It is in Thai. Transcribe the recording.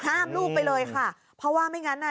ลูกไปเลยค่ะเพราะว่าไม่งั้นอ่ะ